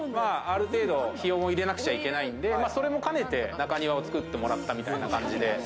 ある程度、日を入れなくちゃいけないんで、それも兼ねて中庭を作ってもらったみたいな感じで。